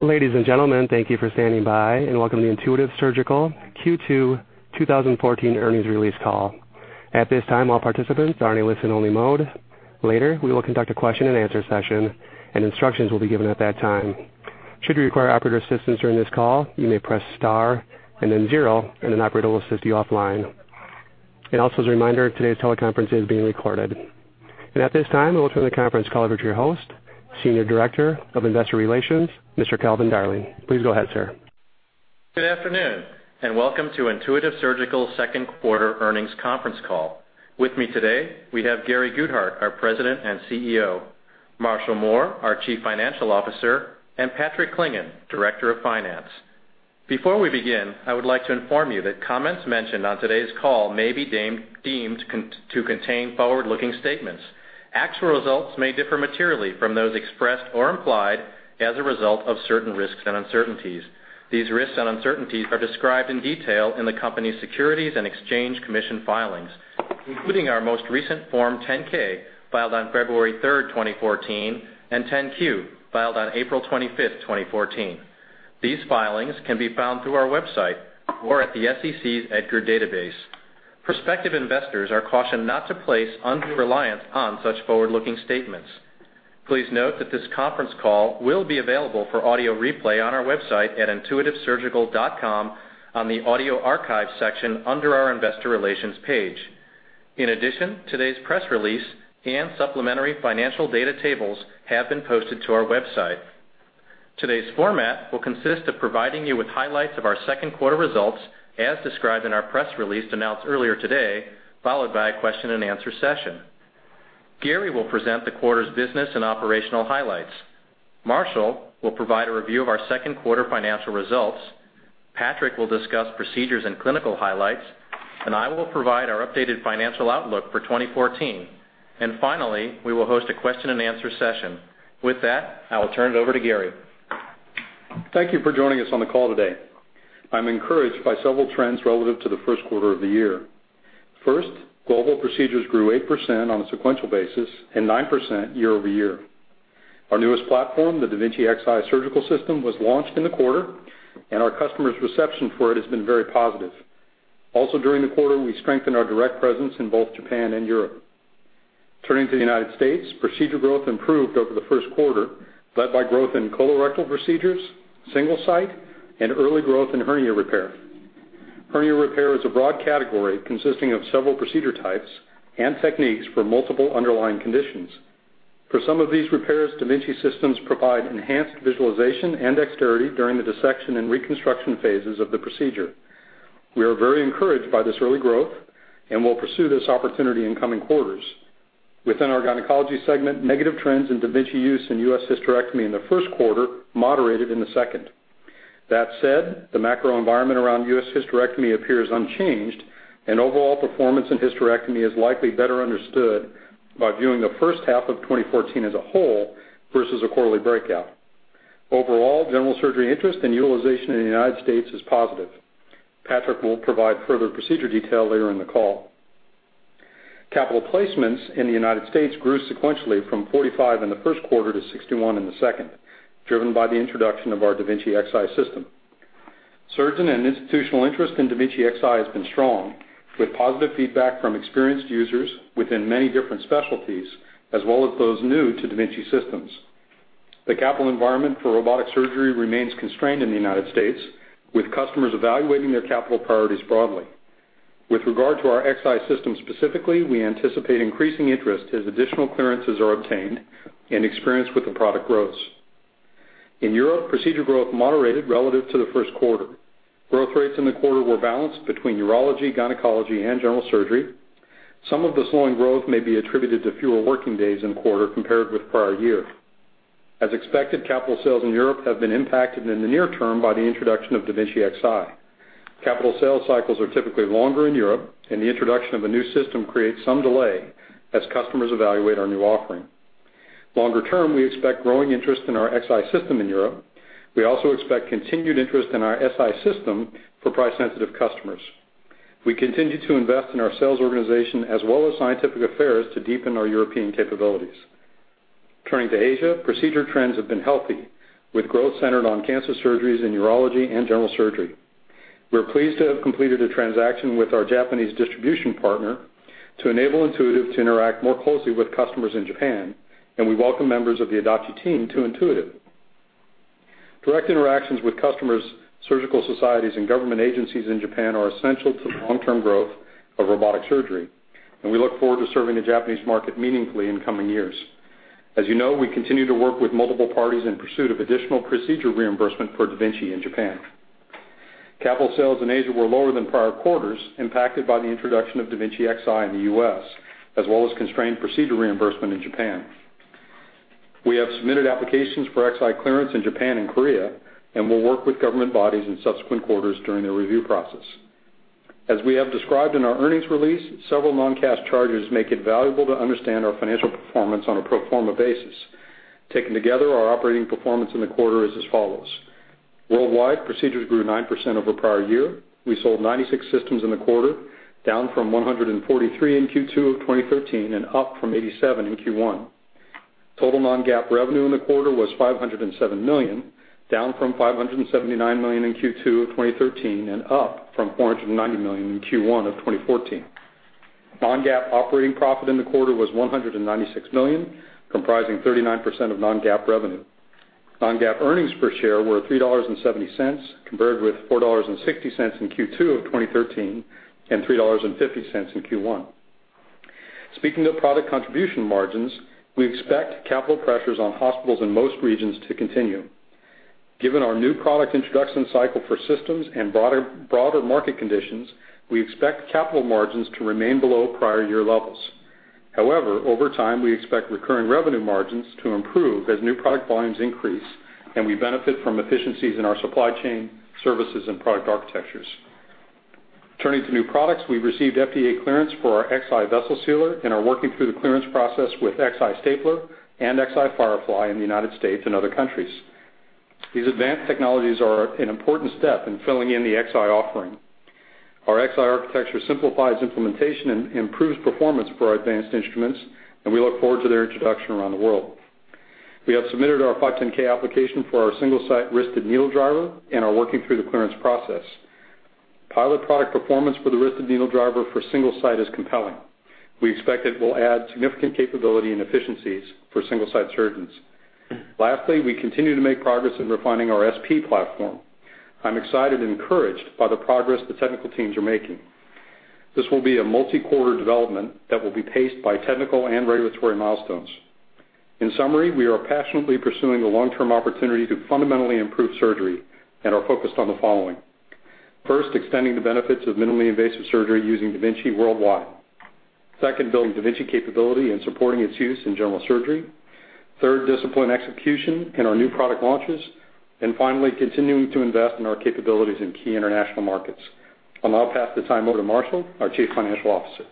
Ladies and gentlemen, thank you for standing by. Welcome to Intuitive Surgical Q2 2014 earnings release call. At this time, all participants are in a listen-only mode. Later, we will conduct a question and answer session. Instructions will be given at that time. Should you require operator assistance during this call, you may press star and then zero. An operator will assist you offline. As a reminder, today's teleconference is being recorded. At this time, I will turn the conference call over to your host, Senior Director of Investor Relations, Mr. Calvin Darling. Please go ahead, sir. Good afternoon. Welcome to Intuitive Surgical second quarter earnings conference call. With me today, we have Gary Guthart, our President and CEO, Marshall Mohr, our Chief Financial Officer, Patrick Clingan, Director of Finance. Before we begin, I would like to inform you that comments mentioned on today's call may be deemed to contain forward-looking statements. Actual results may differ materially from those expressed or implied as a result of certain risks and uncertainties. These risks and uncertainties are described in detail in the company's Securities and Exchange Commission filings, including our most recent Form 10-K filed on February 3rd, 2014, 10-Q filed on April 25th, 2014. These filings can be found through our website or at the SEC's EDGAR database. Prospective investors are cautioned not to place undue reliance on such forward-looking statements. Please note that this conference call will be available for audio replay on our website at intuitivesurgical.com on the audio archive section under our investor relations page. In addition, today's press release and supplementary financial data tables have been posted to our website. Today's format will consist of providing you with highlights of our second quarter results, as described in our press release announced earlier today, followed by a question and answer session. Gary will present the quarter's business and operational highlights. Marshall will provide a review of our second quarter financial results. Patrick will discuss procedures and clinical highlights. I will provide our updated financial outlook for 2014. Finally, we will host a question and answer session. With that, I will turn it over to Gary. Thank you for joining us on the call today. I'm encouraged by several trends relative to the first quarter of the year. First, global procedures grew 8% on a sequential basis 9% year-over-year. Our newest platform, the da Vinci Xi Surgical System, was launched in the quarter. Our customers' reception for it has been very positive. Also, during the quarter, we strengthened our direct presence in both Japan and Europe. Turning to the United States, procedure growth improved over the first quarter, led by growth in colorectal procedures, Single-Site, Early growth in hernia repair. Hernia repair is a broad category consisting of several procedure types and techniques for multiple underlying conditions. For some of these repairs, da Vinci systems provide enhanced visualization and dexterity during the dissection and reconstruction phases of the procedure. We are very encouraged by this early growth and will pursue this opportunity in coming quarters. Within our gynecology segment, negative trends in da Vinci use in U.S. hysterectomy in the first quarter moderated in the second. That said, the macro environment around U.S. hysterectomy appears unchanged, and overall performance in hysterectomy is likely better understood by viewing the first half of 2014 as a whole versus a quarterly breakout. Overall, general surgery interest and utilization in the United States is positive. Patrick will provide further procedure detail later in the call. Capital placements in the United States grew sequentially from 45 in the first quarter to 61 in the second, driven by the introduction of our da Vinci Xi system. Surgeon and institutional interest in da Vinci Xi has been strong, with positive feedback from experienced users within many different specialties, as well as those new to da Vinci systems. The capital environment for robotic surgery remains constrained in the United States, with customers evaluating their capital priorities broadly. With regard to our Xi system specifically, we anticipate increasing interest as additional clearances are obtained and experience with the product grows. In Europe, procedure growth moderated relative to the first quarter. Growth rates in the quarter were balanced between urology, gynecology, and general surgery. Some of the slowing growth may be attributed to fewer working days in the quarter compared with prior year. As expected, capital sales in Europe have been impacted in the near term by the introduction of da Vinci Xi. Capital sales cycles are typically longer in Europe, and the introduction of a new system creates some delay as customers evaluate our new offering. Longer term, we expect growing interest in our Xi system in Europe. We also expect continued interest in our Si system for price-sensitive customers. We continue to invest in our sales organization as well as scientific affairs to deepen our European capabilities. Turning to Asia, procedure trends have been healthy, with growth centered on cancer surgeries in urology and general surgery. We're pleased to have completed a transaction with our Japanese distribution partner to enable Intuitive to interact more closely with customers in Japan, and we welcome members of the Adachi team to Intuitive. Direct interactions with customers, surgical societies, and government agencies in Japan are essential to the long-term growth of robotic surgery, and we look forward to serving the Japanese market meaningfully in coming years. As you know, we continue to work with multiple parties in pursuit of additional procedure reimbursement for da Vinci in Japan. Capital sales in Asia were lower than prior quarters, impacted by the introduction of da Vinci Xi in the U.S., as well as constrained procedure reimbursement in Japan. We have submitted applications for Xi clearance in Japan and Korea and will work with government bodies in subsequent quarters during their review process. As we have described in our earnings release, several non-cash charges make it valuable to understand our financial performance on a pro forma basis. Taken together, our operating performance in the quarter is as follows. Worldwide, procedures grew 9% over prior year. We sold 96 systems in the quarter, down from 143 in Q2 of 2013 and up from 87 in Q1. Total non-GAAP revenue in the quarter was $507 million, down from $579 million in Q2 of 2013 and up from $490 million in Q1 of 2014. Non-GAAP operating profit in the quarter was $196 million, comprising 39% of non-GAAP revenue. Non-GAAP earnings per share were $3.70, compared with $4.60 in Q2 of 2013 and $3.50 in Q1. Speaking of product contribution margins, we expect capital pressures on hospitals in most regions to continue. Given our new product introduction cycle for systems and broader market conditions, we expect capital margins to remain below prior year levels. Over time, we expect recurring revenue margins to improve as new product volumes increase, and we benefit from efficiencies in our supply chain, services, and product architectures. Turning to new products, we've received FDA clearance for our Xi vessel sealer and are working through the clearance process with Xi stapler and Xi Firefly in the U.S. and other countries. These advanced technologies are an important step in filling in the Xi offering. Our Xi architecture simplifies implementation and improves performance for our advanced instruments. We look forward to their introduction around the world. We have submitted our 510(k) application for our single-site wristed needle driver and are working through the clearance process. Pilot product performance for the wristed needle driver for single site is compelling. We expect it will add significant capability and efficiencies for single-site surgeons. Lastly, we continue to make progress in refining our SP platform. I'm excited and encouraged by the progress the technical teams are making. This will be a multi-quarter development that will be paced by technical and regulatory milestones. In summary, we are passionately pursuing the long-term opportunity to fundamentally improve surgery and are focused on the following. First, extending the benefits of minimally invasive surgery using da Vinci worldwide. Second, building da Vinci capability and supporting its use in general surgery. Third, disciplined execution in our new product launches. Finally, continuing to invest in our capabilities in key international markets. I'll now pass the time over to Marshall, our Chief Financial Officer.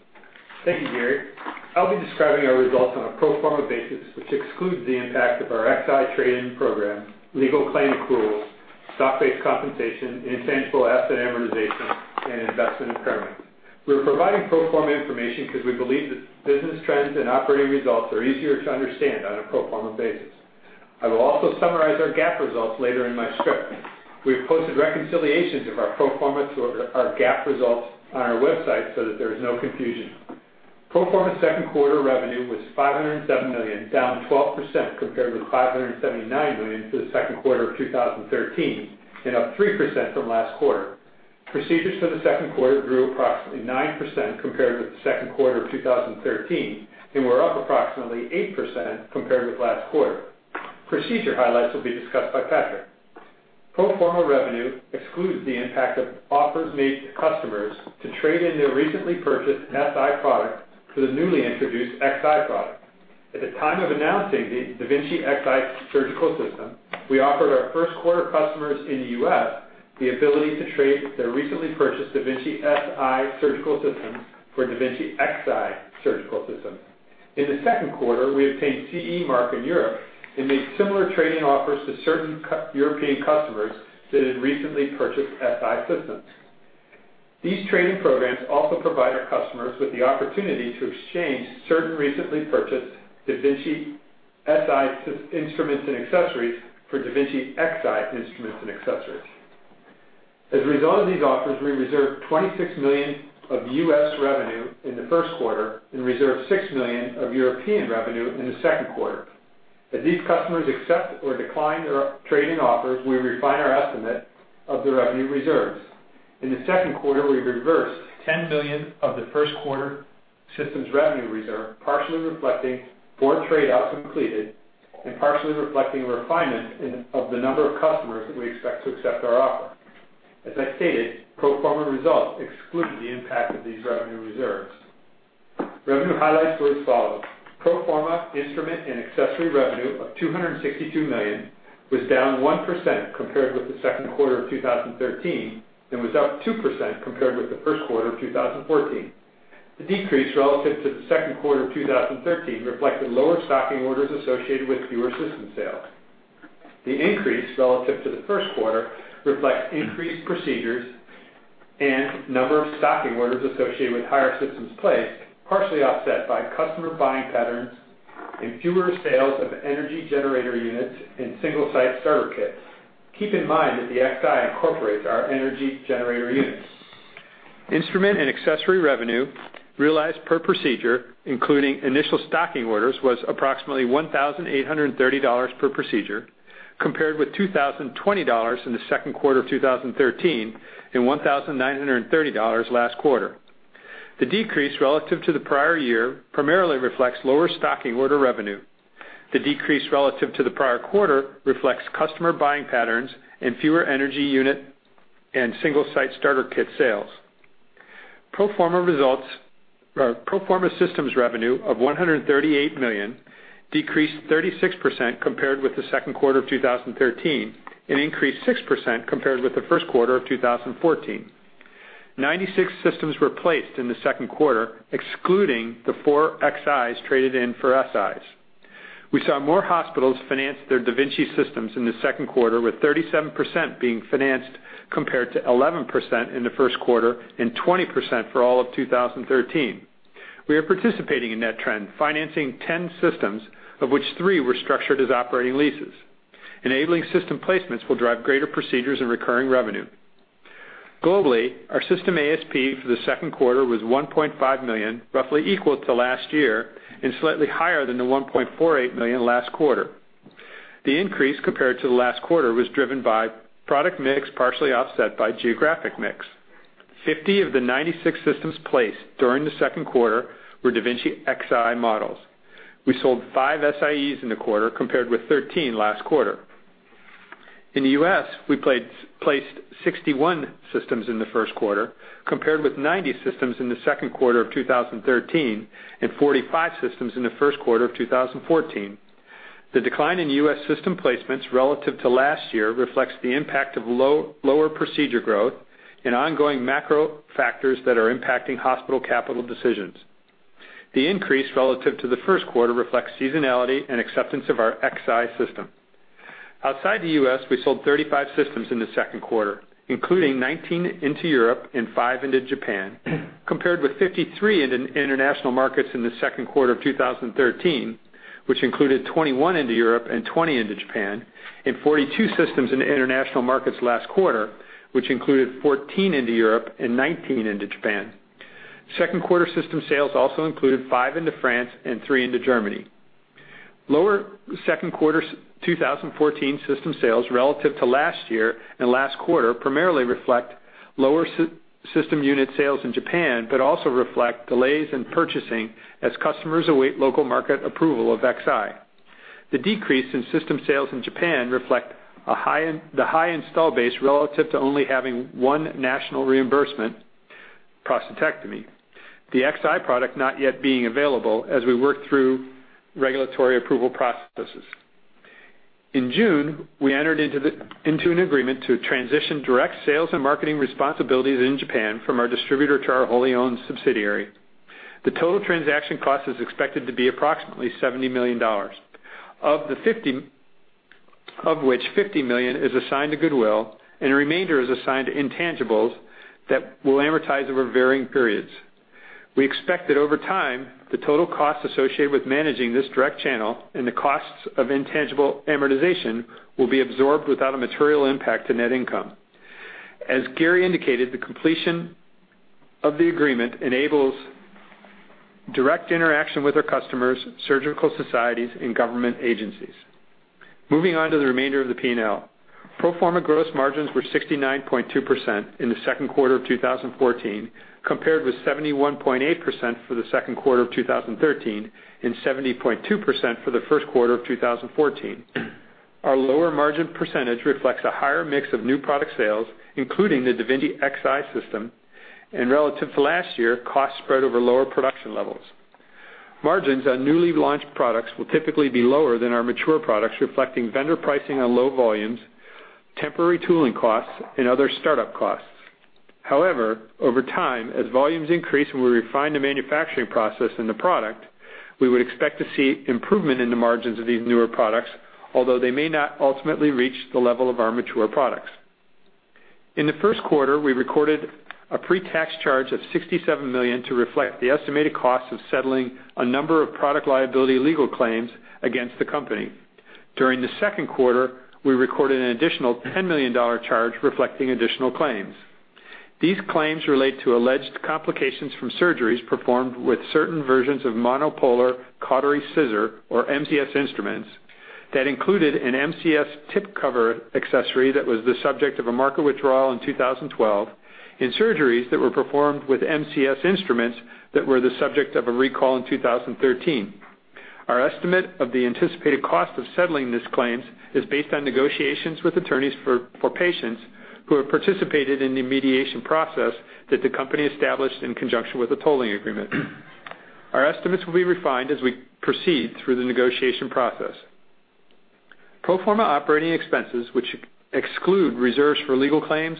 Thank you, Gary. I'll be describing our results on a pro forma basis, which excludes the impact of our Xi trade-in program, legal claim accruals, stock-based compensation, intangible asset amortization, and investment impairments. We're providing pro forma information because we believe that business trends and operating results are easier to understand on a pro forma basis. I will also summarize our GAAP results later in my script. We have posted reconciliations of our pro forma to our GAAP results on our website so that there is no confusion. Pro forma second quarter revenue was $507 million, down 12% compared with $579 million for the second quarter of 2013. Up 3% from last quarter. Procedures for the second quarter grew approximately 9% compared with the second quarter of 2013. Were up approximately 8% compared with last quarter. Procedure highlights will be discussed by Patrick. Pro forma revenue excludes the impact of offers made to customers to trade in their recently purchased Si product for the newly introduced Xi product. At the time of announcing the da Vinci Xi Surgical System, we offered our first quarter customers in the U.S. the ability to trade their recently purchased da Vinci Si Surgical Systems for da Vinci Xi Surgical Systems. In the second quarter, we obtained CE mark in Europe and made similar trading offers to certain European customers that had recently purchased Si systems. These trade-in programs also provide our customers with the opportunity to exchange certain recently purchased da Vinci Si instruments and accessories for da Vinci Xi instruments and accessories. As a result of these offers, we reserved $26 million of U.S. revenue in the first quarter and reserved $6 million of European revenue in the second quarter. As these customers accept or decline their trade-in offers, we refine our estimate of the revenue reserves. In the second quarter, we reversed $10 million of the first quarter systems revenue reserve, partially reflecting four trade-outs completed and partially reflecting a refinement of the number of customers that we expect to accept our offer. As I stated, pro forma results exclude the impact of these revenue reserves. Revenue highlights were as follows. Pro forma instrument and accessory revenue of $262 million was down 1% compared with the second quarter of 2013 and was up 2% compared with the first quarter of 2014. The decrease relative to the second quarter of 2013 reflected lower stocking orders associated with fewer system sales. The increase relative to the first quarter reflects increased procedures and number of stocking orders associated with higher systems placed, partially offset by customer buying patterns and fewer sales of energy generator units and single-site starter kits. Keep in mind that the Xi incorporates our energy generator units. Instrument and accessory revenue realized per procedure, including initial stocking orders, was approximately $1,830 per procedure, compared with $2,020 in the second quarter of 2013 and $1,930 last quarter. The decrease relative to the prior year primarily reflects lower stocking order revenue. The decrease relative to the prior quarter reflects customer buying patterns and fewer energy unit and single-site starter kit sales. Pro forma systems revenue of $138 million decreased 36% compared with the second quarter of 2013 and increased 6% compared with the first quarter of 2014. 96 systems were placed in the second quarter, excluding the four Xi traded in for Si. We saw more hospitals finance their da Vinci systems in the second quarter, with 37% being financed compared to 11% in the first quarter and 20% for all of 2013. We are participating in that trend, financing 10 systems, of which three were structured as operating leases. Enabling system placements will drive greater procedures and recurring revenue. Globally, our system ASP for the second quarter was $1.5 million, roughly equal to last year and slightly higher than the $1.48 million last quarter. The increase compared to the last quarter was driven by product mix, partially offset by geographic mix. 50 of the 96 systems placed during the second quarter were da Vinci Xi models. We sold five Si-e in the quarter, compared with 13 last quarter. In the U.S., we placed 61 systems in the first quarter, compared with 90 systems in the second quarter of 2013 and 45 systems in the first quarter of 2014. The decline in U.S. system placements relative to last year reflects the impact of lower procedure growth and ongoing macro factors that are impacting hospital capital decisions. The increase relative to the first quarter reflects seasonality and acceptance of our Xi system. Outside the U.S., we sold 35 systems in the second quarter, including 19 into Europe and five into Japan, compared with 53 in international markets in the second quarter of 2013, which included 21 into Europe and 20 into Japan, and 42 systems into international markets last quarter, which included 14 into Europe and 19 into Japan. Second quarter system sales also included five into France and three into Germany. Lower second quarter 2014 system sales relative to last year and last quarter primarily reflect lower system unit sales in Japan, but also reflect delays in purchasing as customers await local market approval of Xi. The decrease in system sales in Japan reflect the high install base relative to only having one national reimbursement, prostatectomy, the Xi product not yet being available as we work through regulatory approval processes. In June, we entered into an agreement to transition direct sales and marketing responsibilities in Japan from our distributor to our wholly-owned subsidiary. The total transaction cost is expected to be approximately $70 million, of which $50 million is assigned to goodwill and the remainder is assigned to intangibles that will amortize over varying periods. We expect that over time, the total costs associated with managing this direct channel and the costs of intangible amortization will be absorbed without a material impact to net income. As Gary indicated, the completion of the agreement enables direct interaction with our customers, surgical societies, and government agencies. Moving on to the remainder of the P&L. Pro forma gross margins were 69.2% in the second quarter of 2014, compared with 71.8% for the second quarter of 2013 and 70.2% for the first quarter of 2014. Our lower margin percentage reflects a higher mix of new product sales, including the da Vinci Xi system, and relative to last year, costs spread over lower production levels. Margins on newly launched products will typically be lower than our mature products, reflecting vendor pricing on low volumes, temporary tooling costs, and other startup costs. Over time, as volumes increase and we refine the manufacturing process and the product, we would expect to see improvement in the margins of these newer products, although they may not ultimately reach the level of our mature products. In the first quarter, we recorded a pre-tax charge of $67 million to reflect the estimated cost of settling a number of product liability legal claims against the company. During the second quarter, we recorded an additional $10 million charge reflecting additional claims. These claims relate to alleged complications from surgeries performed with certain versions of monopolar cautery scissor, or MCS instruments, that included an MCS tip cover accessory that was the subject of a market withdrawal in 2012, and surgeries that were performed with MCS instruments that were the subject of a recall in 2013. Our estimate of the anticipated cost of settling these claims is based on negotiations with attorneys for patients who have participated in the mediation process that the company established in conjunction with the tolling agreement. Our estimates will be refined as we proceed through the negotiation process. Pro forma operating expenses, which exclude reserves for legal claims,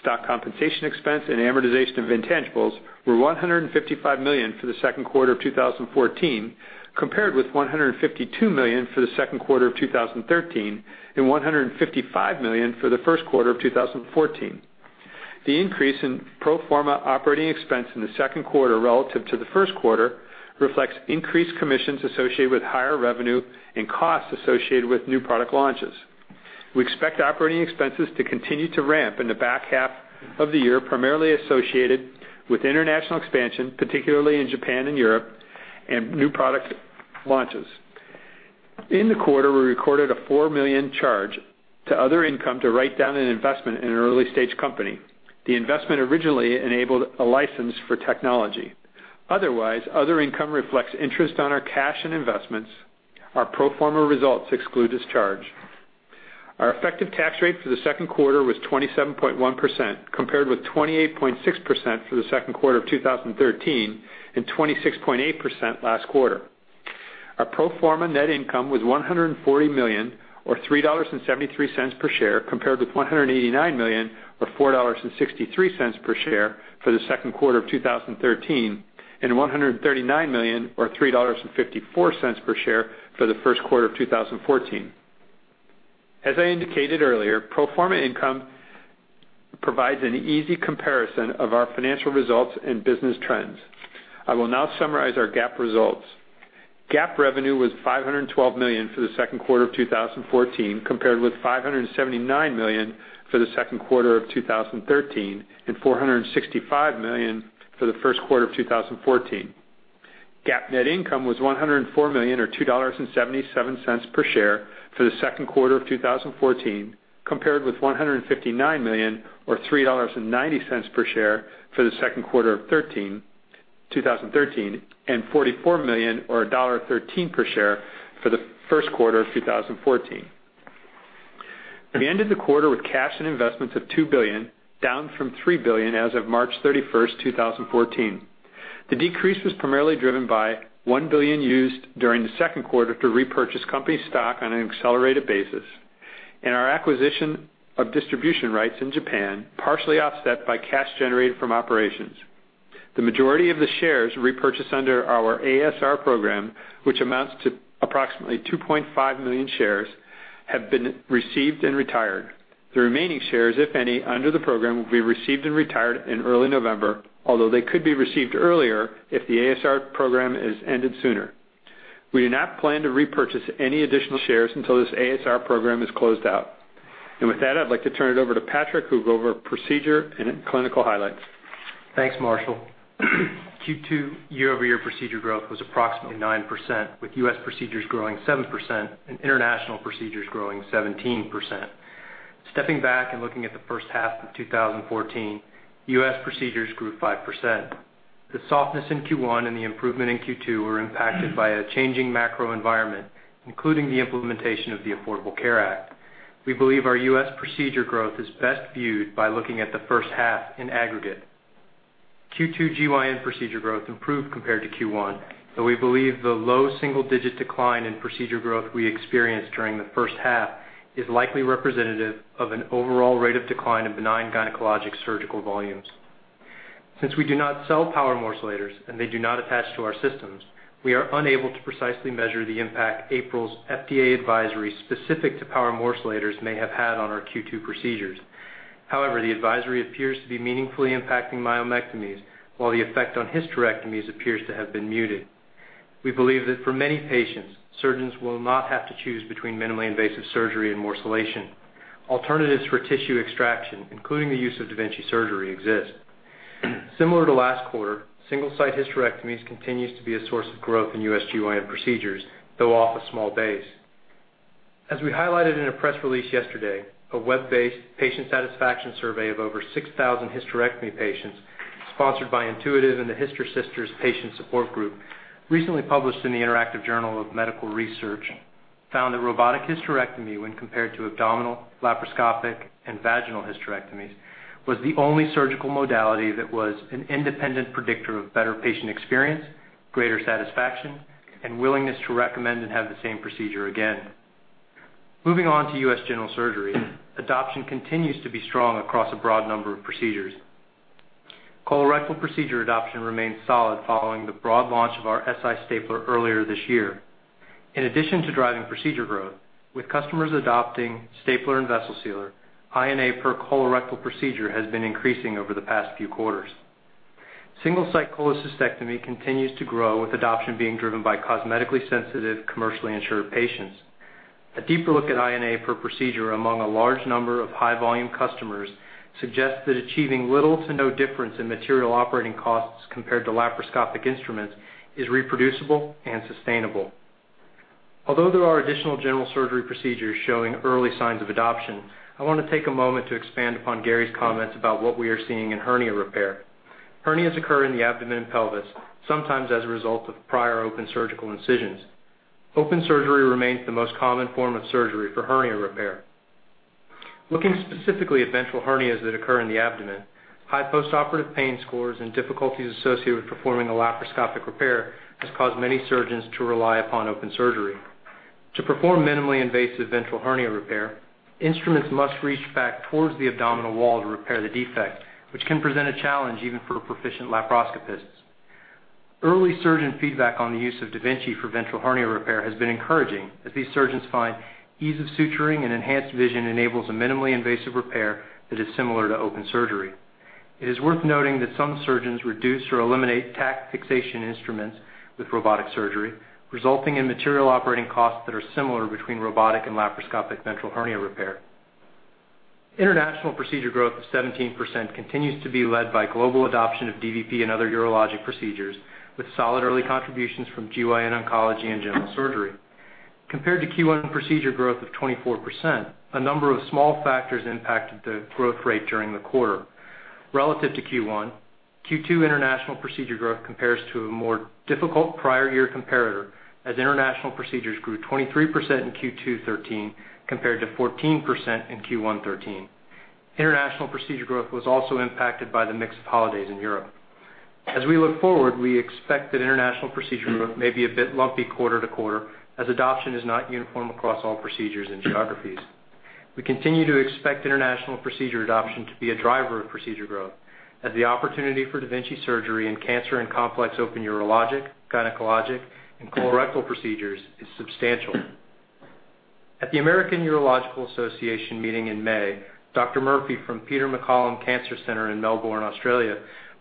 stock compensation expense, and amortization of intangibles, were $155 million for the second quarter of 2014, compared with $152 million for the second quarter of 2013 and $155 million for the first quarter of 2014. The increase in pro forma operating expense in the second quarter relative to the first quarter reflects increased commissions associated with higher revenue and costs associated with new product launches. We expect operating expenses to continue to ramp in the back half of the year, primarily associated with international expansion, particularly in Japan and Europe, and new product launches. In the quarter, we recorded a $4 million charge to other income to write down an investment in an early-stage company. The investment originally enabled a license for technology. Otherwise, other income reflects interest on our cash and investments. Our pro forma results exclude this charge. Our effective tax rate for the second quarter was 27.1%, compared with 28.6% for the second quarter of 2013 and 26.8% last quarter. Our pro forma net income was $140 million, or $3.73 per share, compared with $189 million or $4.63 per share for the second quarter of 2013, and $139 million or $3.54 per share for the first quarter of 2014. As I indicated earlier, pro forma income provides an easy comparison of our financial results and business trends. I will now summarize our GAAP results. GAAP revenue was $512 million for the second quarter of 2014, compared with $579 million for the second quarter of 2013, and $465 million for the first quarter of 2014. GAAP net income was $104 million, or $2.77 per share, for the second quarter of 2014, compared with $159 million or $3.90 per share for the second quarter of 2013, and $44 million, or $1.13 per share for the first quarter of 2014. We ended the quarter with cash and investments of $2 billion, down from $3 billion as of March 31st, 2014. The decrease was primarily driven by $1 billion used during the second quarter to repurchase company stock on an accelerated basis and our acquisition of distribution rights in Japan, partially offset by cash generated from operations. The majority of the shares repurchased under our ASR program, which amounts to approximately 2.5 million shares, have been received and retired. The remaining shares, if any, under the program will be received and retired in early November, although they could be received earlier if the ASR program is ended sooner. We do not plan to repurchase any additional shares until this ASR program is closed out. With that, I'd like to turn it over to Patrick, who will go over procedure and clinical highlights. Thanks, Marshall. Q2 year-over-year procedure growth was approximately 9%, with U.S. procedures growing 7% and international procedures growing 17%. Stepping back and looking at the first half of 2014, U.S. procedures grew 5%. The softness in Q1 and the improvement in Q2 were impacted by a changing macro environment, including the implementation of the Affordable Care Act. We believe our U.S. procedure growth is best viewed by looking at the first half in aggregate. Q2 GYN procedure growth improved compared to Q1, though we believe the low single-digit decline in procedure growth we experienced during the first half is likely representative of an overall rate of decline in benign gynecologic surgical volumes. Since we do not sell power morcellators and they do not attach to our systems, we are unable to precisely measure the impact April's FDA advisory specific to power morcellators may have had on our Q2 procedures. However, the advisory appears to be meaningfully impacting myomectomies, while the effect on hysterectomies appears to have been muted. We believe that for many patients, surgeons will not have to choose between minimally invasive surgery and morcellation. Alternatives for tissue extraction, including the use of da Vinci surgery, exist. Similar to last quarter, single-site hysterectomies continues to be a source of growth in U.S. GYN procedures, though off a small base. As we highlighted in a press release yesterday, a web-based patient satisfaction survey of over 6,000 hysterectomy patients sponsored by Intuitive and the HysterSisters patient support group, recently published in the Interactive Journal of Medical Research, found that robotic hysterectomy, when compared to abdominal, laparoscopic, and vaginal hysterectomies, was the only surgical modality that was an independent predictor of better patient experience, greater satisfaction, and willingness to recommend and have the same procedure again. General surgery. Adoption continues to be strong across a broad number of procedures. Colorectal procedure adoption remains solid following the broad launch of our Si stapler earlier this year. In addition to driving procedure growth, with customers adopting stapler and vessel sealer, I&A per colorectal procedure has been increasing over the past few quarters. Single-site cholecystectomy continues to grow, with adoption being driven by cosmetically sensitive, commercially insured patients. A deeper look at INA per procedure among a large number of high-volume customers suggests that achieving little to no difference in material operating costs compared to laparoscopic instruments is reproducible and sustainable. Although there are additional general surgery procedures showing early signs of adoption, I want to take a moment to expand upon Gary's comments about what we are seeing in hernia repair. Hernias occur in the abdomen and pelvis, sometimes as a result of prior open surgical incisions. Open surgery remains the most common form of surgery for hernia repair. Looking specifically at ventral hernias that occur in the abdomen, high postoperative pain scores and difficulties associated with performing a laparoscopic repair has caused many surgeons to rely upon open surgery. To perform minimally invasive ventral hernia repair, instruments must reach back towards the abdominal wall to repair the defect, which can present a challenge even for proficient laparoscopists. Early surgeon feedback on the use of da Vinci for ventral hernia repair has been encouraging, as these surgeons find ease of suturing and enhanced vision enables a minimally invasive repair that is similar to open surgery. It is worth noting that some surgeons reduce or eliminate tack fixation instruments with robotic surgery, resulting in material operating costs that are similar between robotic and laparoscopic ventral hernia repair. International procedure growth of 17% continues to be led by global adoption of dVP and other urologic procedures, with solid early contributions from GYN oncology and general surgery. Compared to Q1 procedure growth of 24%, a number of small factors impacted the growth rate during the quarter. Relative to Q1, Q2 international procedure growth compares to a more difficult prior year comparator, as international procedures grew 23% in Q2 2013 compared to 14% in Q1 2013. International procedure growth was also impacted by the mix of holidays in Europe. As we look forward, we expect that international procedure growth may be a bit lumpy quarter to quarter as adoption is not uniform across all procedures and geographies. We continue to expect international procedure adoption to be a driver of procedure growth as the opportunity for da Vinci surgery in cancer and complex open urologic, gynecologic, and colorectal procedures is substantial. At the American Urological Association meeting in May, Dr. Murphy from Peter MacCallum Cancer Centre in Melbourne, Australia,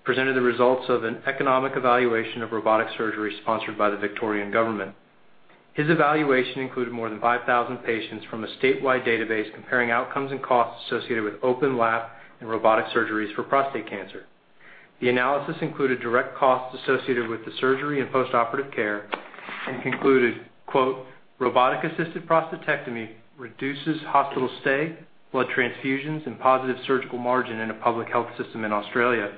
presented the results of an economic evaluation of robotic surgery sponsored by the Victorian Government. His evaluation included more than 5,000 patients from a statewide database comparing outcomes and costs associated with open lap and robotic surgeries for prostate cancer. The analysis included direct costs associated with the surgery and postoperative care and concluded, quote, "Robotic assisted prostatectomy reduces hospital stay, blood transfusions, and positive surgical margin in a public health system in Australia.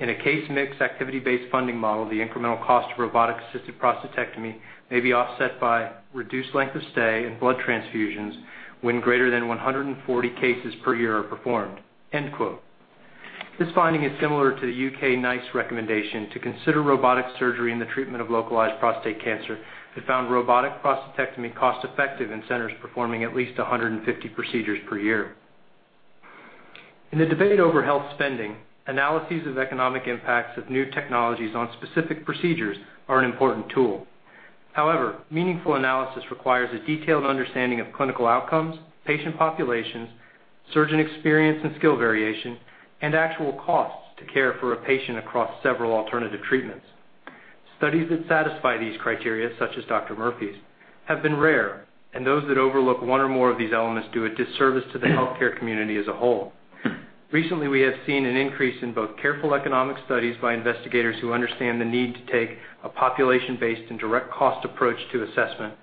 In a case mix activity-based funding model, the incremental cost of robotic-assisted prostatectomy may be offset by reduced length of stay and blood transfusions when greater than 140 cases per year are performed." End quote. This finding is similar to the U.K. NICE recommendation to consider robotic surgery in the treatment of localized prostate cancer that found robotic prostatectomy cost-effective in centers performing at least 150 procedures per year. In the debate over health spending, analyses of economic impacts of new technologies on specific procedures are an important tool. However, meaningful analysis requires a detailed understanding of clinical outcomes, patient populations, surgeon experience and skill variation, and actual costs to care for a patient across several alternative treatments. Studies that satisfy these criteria, such as Dr. Murphy's, have been rare, and those that overlook one or more of these elements do a disservice to the healthcare community as a whole. Recently, we have seen an increase in both careful economic studies by investigators who understand the need to take a population-based and direct cost approach to assessment,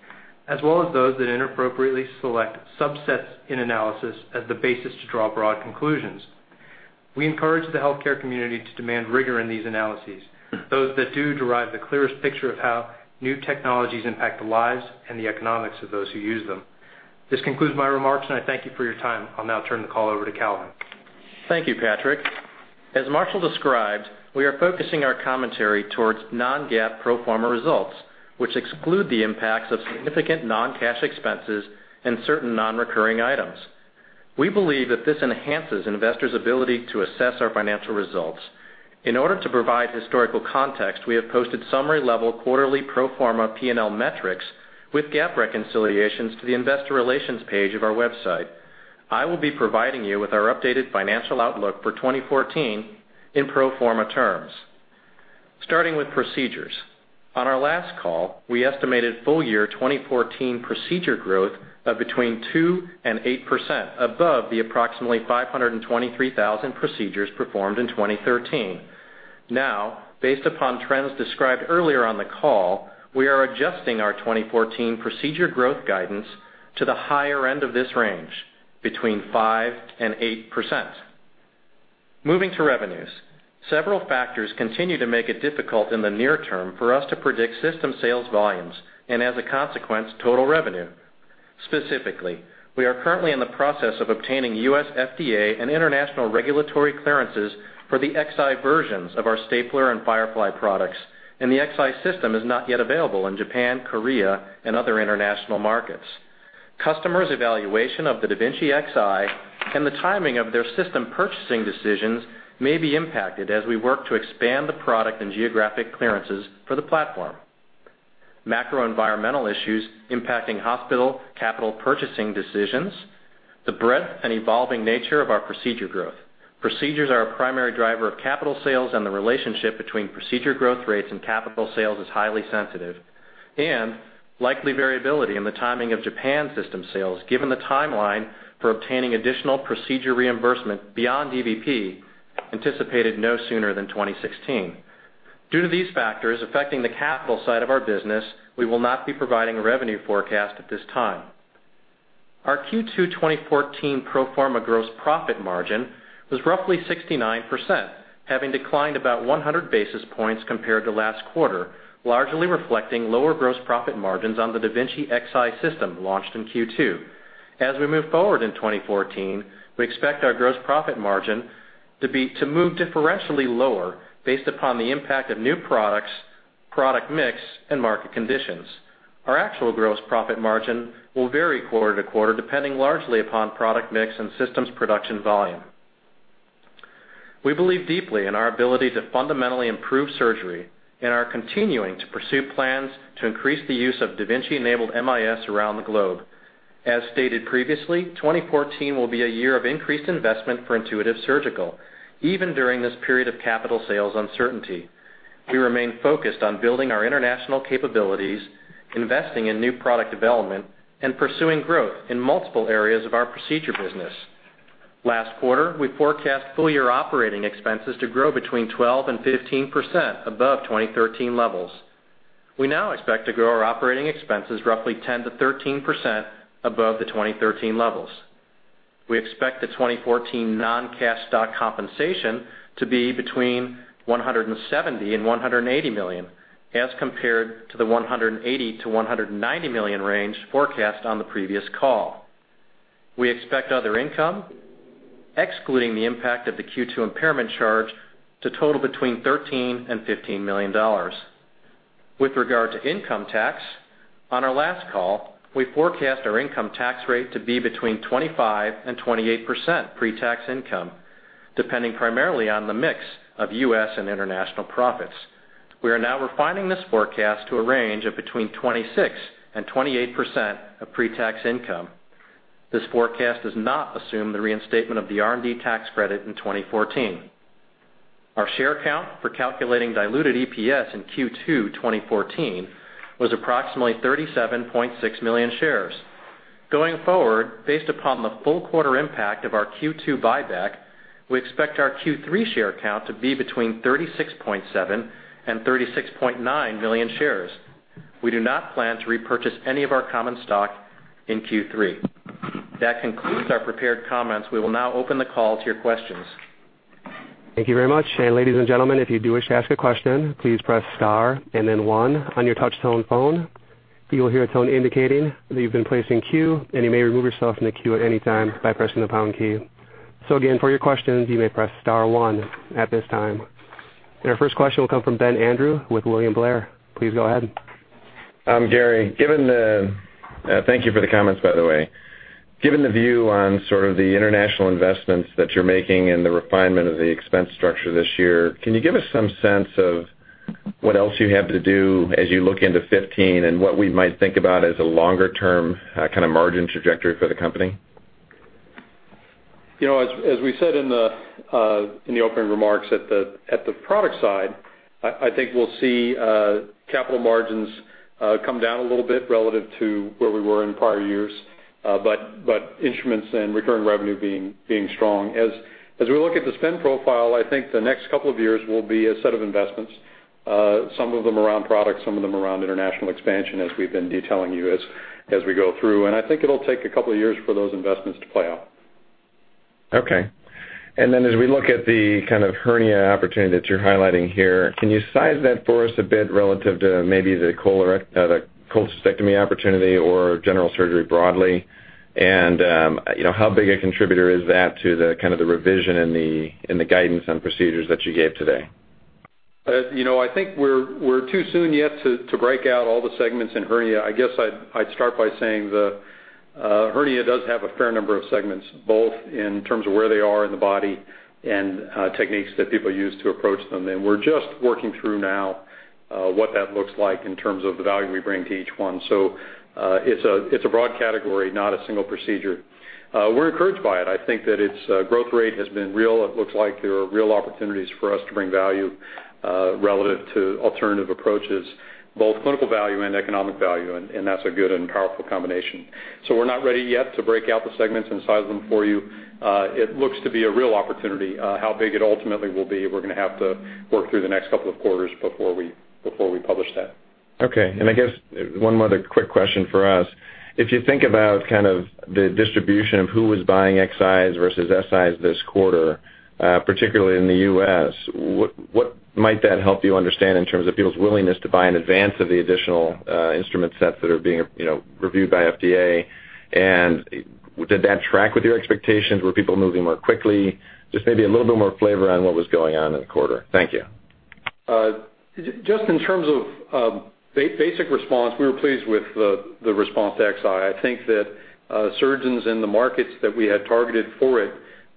as well as those that inappropriately select subsets in analysis as the basis to draw broad conclusions. We encourage the healthcare community to demand rigor in these analyses. Those that do derive the clearest picture of how new technologies impact the lives and the economics of those who use them. This concludes my remarks, and I thank you for your time. I will now turn the call over to Calvin. Thank you, Patrick. As Marshall described, we are focusing our commentary towards non-GAAP pro forma results, which exclude the impacts of significant non-cash expenses and certain non-recurring items. We believe that this enhances investors' ability to assess our financial results. In order to provide historical context, we have posted summary-level quarterly pro forma P&L metrics with GAAP reconciliations to the investor relations page of our website. I will be providing you with our updated financial outlook for 2014 in pro forma terms. Starting with procedures. On our last call, we estimated full-year 2014 procedure growth of between 2% and 8% above the approximately 523,000 procedures performed in 2013. Based upon trends described earlier on the call, we are adjusting our 2014 procedure growth guidance to the higher end of this range, between 5% and 8%. Moving to revenues. Several factors continue to make it difficult in the near term for us to predict system sales volumes and, as a consequence, total revenue. Specifically, we are currently in the process of obtaining U.S. FDA and international regulatory clearances for the Xi versions of our Stapler and Firefly products, and the Xi system is not yet available in Japan, Korea, and other international markets. Customers' evaluation of the da Vinci Xi and the timing of their system purchasing decisions may be impacted as we work to expand the product and geographic clearances for the platform. Macro-environmental issues impacting hospital capital purchasing decisions. The breadth and evolving nature of our procedure growth. Procedures are a primary driver of capital sales and the relationship between procedure growth rates and capital sales is highly sensitive and likely variability in the timing of Japan system sales, given the timeline for obtaining additional procedure reimbursement beyond EBP anticipated no sooner than 2016. Due to these factors affecting the capital side of our business, we will not be providing a revenue forecast at this time. Our Q2 2014 pro forma gross profit margin was roughly 69%, having declined about 100 basis points compared to last quarter, largely reflecting lower gross profit margins on the da Vinci Xi system launched in Q2. We move forward in 2014, we expect our gross profit margin to move differentially lower based upon the impact of new products, product mix, and market conditions. Our actual gross profit margin will vary quarter to quarter, depending largely upon product mix and systems production volume. We believe deeply in our ability to fundamentally improve surgery and are continuing to pursue plans to increase the use of da Vinci-enabled MIS around the globe. As stated previously, 2014 will be a year of increased investment for Intuitive Surgical. Even during this period of capital sales uncertainty, we remain focused on building our international capabilities, investing in new product development, and pursuing growth in multiple areas of our procedure business. Last quarter, we forecast full-year operating expenses to grow between 12%-15% above 2013 levels. We now expect to grow our operating expenses roughly 10%-13% above the 2013 levels. We expect the 2014 non-cash stock compensation to be between $170 million and $180 million as compared to the $180 million-$190 million range forecast on the previous call. We expect other income, excluding the impact of the Q2 impairment charge, to total between $13 million and $15 million. With regard to income tax, on our last call, we forecast our income tax rate to be between 25% and 28% pre-tax income, depending primarily on the mix of U.S. and international profits. We are now refining this forecast to a range of between 26% and 28% of pre-tax income. This forecast does not assume the reinstatement of the R&D tax credit in 2014. Our share count for calculating diluted EPS in Q2 2014 was approximately 37.6 million shares. Going forward, based upon the full quarter impact of our Q2 buyback, we expect our Q3 share count to be between 36.7 million and 36.9 million shares. We do not plan to repurchase any of our common stock in Q3. That concludes our prepared comments. We will now open the call to your questions. Thank you very much. Ladies and gentlemen, if you do wish to ask a question, please press star and then one on your touch-tone phone. You will hear a tone indicating that you've been placed in queue, and you may remove yourself from the queue at any time by pressing the pound key. Again, for your questions, you may press star one at this time. Our first question will come from Ben Andrew with William Blair. Please go ahead. Gary, thank you for the comments, by the way. Given the view on sort of the international investments that you're making and the refinement of the expense structure this year, can you give us some sense of what else you have to do as you look into 2015 and what we might think about as a longer-term kind of margin trajectory for the company? As we said in the opening remarks at the product side, I think we'll see capital margins come down a little bit relative to where we were in prior years, instruments and recurring revenue being strong. As we look at the spend profile, I think the next couple of years will be a set of investments, some of them around products, some of them around international expansion, as we've been detailing you as we go through. I think it'll take a couple of years for those investments to play out. Okay. As we look at the kind of hernia opportunity that you're highlighting here, can you size that for us a bit relative to maybe the colorectal cholecystectomy opportunity or general surgery broadly? How big a contributor is that to the kind of the revision in the guidance on procedures that you gave today? I think we're too soon yet to break out all the segments in hernia. I guess I'd start by saying the hernia does have a fair number of segments, both in terms of where they are in the body and techniques that people use to approach them. We're just working through now what that looks like in terms of the value we bring to each one. It's a broad category, not a single procedure. We're encouraged by it. I think that its growth rate has been real. It looks like there are real opportunities for us to bring value relative to alternative approaches, both clinical value and economic value, and that's a good and powerful combination. We're not ready yet to break out the segments and size them for you. It looks to be a real opportunity. How big it ultimately will be, we're going to have to work through the next couple of quarters before we publish that. Okay, I guess one other quick question for us. If you think about kind of the distribution of who was buying Xis versus Sis this quarter, particularly in the U.S., what might that help you understand in terms of people's willingness to buy in advance of the additional instrument sets that are being reviewed by FDA? Did that track with your expectations? Were people moving more quickly? Just maybe a little bit more flavor on what was going on in the quarter. Thank you. Just in terms of basic response, we were pleased with the response to Xi. I think that surgeons in the markets that we had targeted for it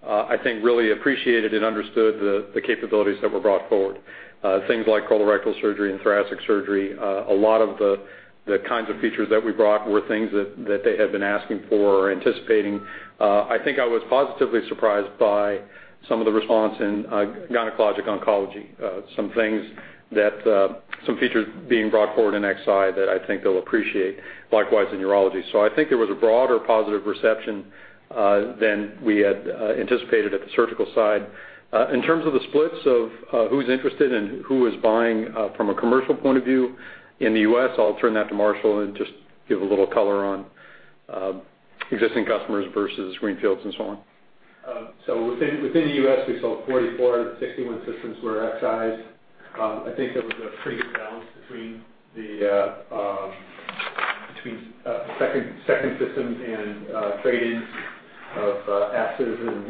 I think really appreciated and understood the capabilities that were brought forward. Things like colorectal surgery and thoracic surgery. A lot of the kinds of features that we brought were things that they had been asking for or anticipating. I think I was positively surprised by some of the response in gynecologic oncology. Some features being brought forward in Xi that I think they'll appreciate, likewise in urology. I think there was a broader positive reception than we had anticipated at the surgical side. In terms of the splits of who's interested and who is buying from a commercial point of view in the U.S., I'll turn that to Marshall and just give a little color on existing customers versus greenfields and so on. Within the U.S., we sold 44 out of the 61 systems were Xi. I think there was a pretty good balance between second systems and trade-ins of assets and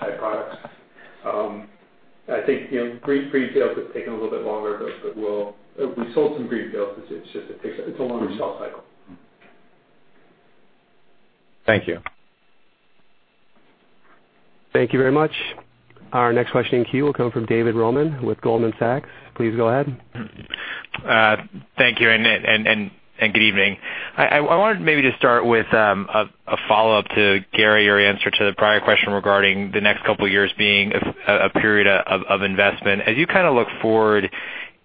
Xi products. I think greenfields has taken a little bit longer, but we sold some greenfields. It's a longer sales cycle. Thank you. Thank you very much. Our next question in queue will come from David Roman with Goldman Sachs. Please go ahead. Thank you, good evening. I wanted maybe to start with a follow-up to, Gary, your answer to the prior question regarding the next couple of years being a period of investment. As you kind of look forward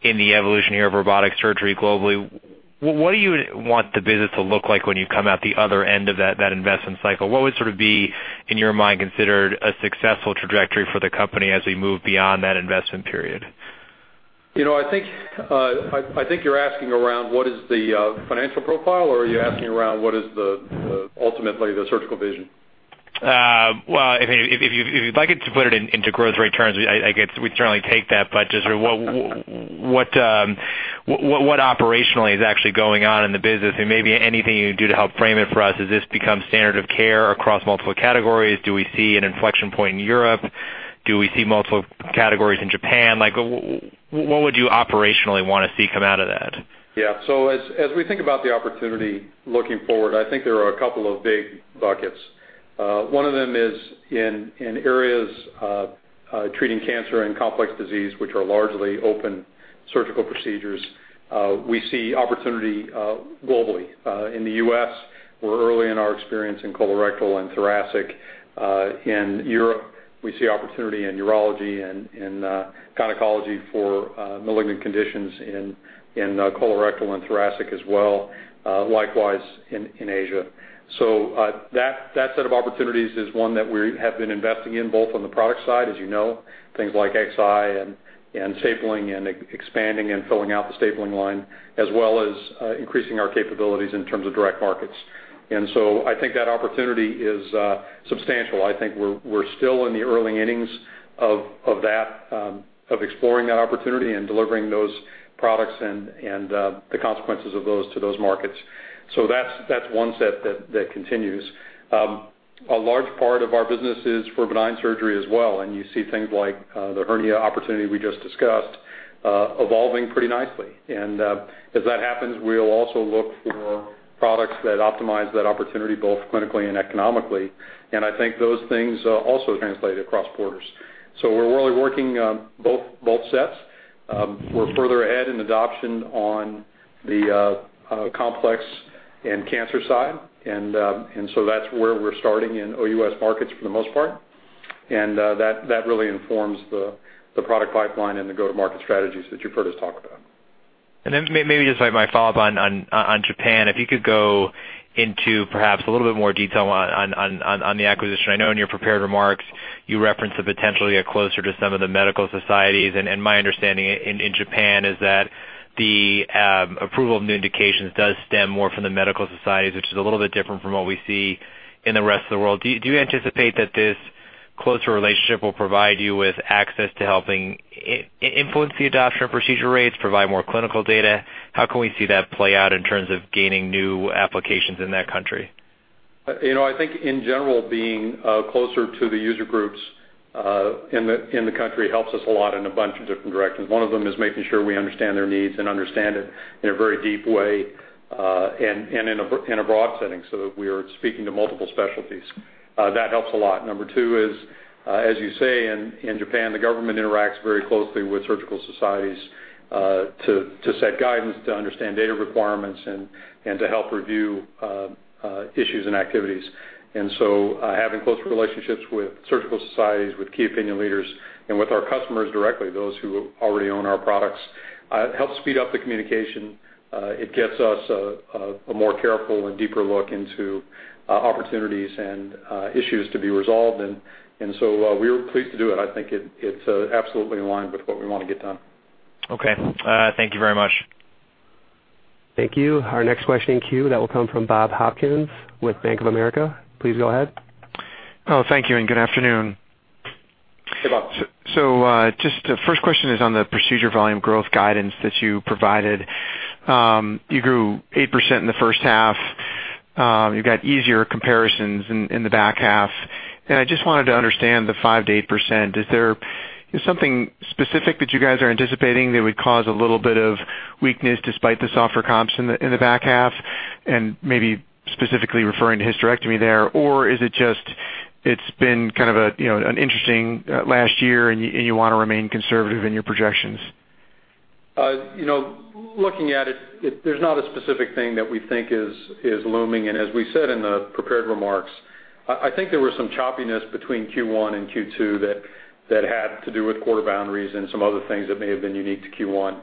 in the evolution here of robotic surgery globally, what do you want the business to look like when you come out the other end of that investment cycle? What would sort of be, in your mind, considered a successful trajectory for the company as we move beyond that investment period? I think you're asking around what is the financial profile, or are you asking around what is ultimately the surgical vision? Well, if you'd like it to put it into growth rate terms, I guess we'd certainly take that. Just what operationally is actually going on in the business, and maybe anything you can do to help frame it for us? Has this become standard of care across multiple categories? Do we see an inflection point in Europe? Do we see multiple categories in Japan? What would you operationally want to see come out of that? Yeah. As we think about the opportunity looking forward, I think there are a couple of big buckets. One of them is in areas of treating cancer and complex disease, which are largely open surgical procedures, we see opportunity globally. In the U.S., we're early in our experience in colorectal and thoracic. In Europe, we see opportunity in urology and in gynecology for malignant conditions in colorectal and thoracic as well, likewise in Asia. That set of opportunities is one that we have been investing in both on the product side, as you know, things like Xi and stapling and expanding and filling out the stapling line, as well as increasing our capabilities in terms of direct markets. I think that opportunity is substantial. I think we're still in the early innings of exploring that opportunity and delivering those products and the consequences of those to those markets. That's one set that continues. A large part of our business is for benign surgery as well, and you see things like the hernia opportunity we just discussed evolving pretty nicely. As that happens, we'll also look for products that optimize that opportunity, both clinically and economically. I think those things also translate across borders. We're really working on both sets. We're further ahead in adoption on the complex and cancer side, and so that's where we're starting in OUS markets for the most part, and that really informs the product pipeline and the go-to-market strategies that you've heard us talk about. Maybe just my follow-up on Japan, if you could go into perhaps a little bit more detail on the acquisition. I know in your prepared remarks, you referenced the potentially closer to some of the medical societies, my understanding in Japan is that the approval of new indications does stem more from the medical societies, which is a little bit different from what we see in the rest of the world. Do you anticipate that this closer relationship will provide you with access to helping influence the adoption of procedure rates, provide more clinical data? How can we see that play out in terms of gaining new applications in that country? I think in general, being closer to the user groups in the country helps us a lot in a bunch of different directions. One of them is making sure we understand their needs and understand it in a very deep way, in a broad setting so that we are speaking to multiple specialties. That helps a lot. Number 2 is, as you say, in Japan, the government interacts very closely with surgical societies, to set guidance, to understand data requirements, to help review issues and activities. Having closer relationships with surgical societies, with key opinion leaders, and with our customers directly, those who already own our products, helps speed up the communication. It gets us a more careful and deeper look into opportunities and issues to be resolved, we were pleased to do it. I think it's absolutely in line with what we want to get done. Okay. Thank you very much. Thank you. Our next question in queue, that will come from Bob Hopkins with Bank of America. Please go ahead. Thank you, good afternoon. Hey, Bob. Just the first question is on the procedure volume growth guidance that you provided. You grew 8% in the first half. You got easier comparisons in the back half, I just wanted to understand the 5%-8%. Is there something specific that you guys are anticipating that would cause a little bit of weakness despite the softer comps in the back half, maybe specifically referring to hysterectomy there? Is it just, it's been kind of an interesting last year, you want to remain conservative in your projections? Looking at it, there's not a specific thing that we think is looming. As we said in the prepared remarks, I think there was some choppiness between Q1 and Q2 that had to do with quarter boundaries and some other things that may have been unique to Q1.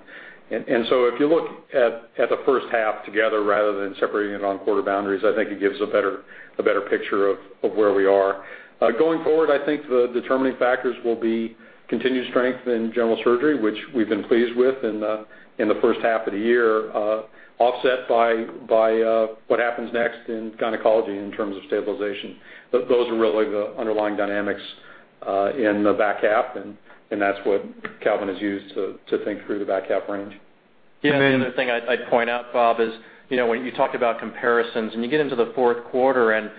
If you look at the first half together rather than separating it on quarter boundaries, I think it gives a better picture of where we are. Going forward, I think the determining factors will be continued strength in general surgery, which we've been pleased with in the first half of the year, offset by what happens next in gynecology in terms of stabilization. Those are really the underlying dynamics in the back half, and that's what Calvin has used to think through the back half range. Yeah, the other thing I'd point out, Bob, is when you talked about comparisons, when you get into the fourth quarter and